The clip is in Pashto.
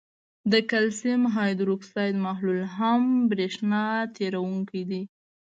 د کلسیم هایدروکساید محلول هم برېښنا تیروونکی دی.